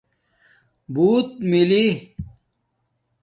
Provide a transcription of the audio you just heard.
بݸت ملی